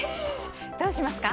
どうしますか？